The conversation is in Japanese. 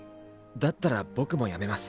だったら僕もやめます。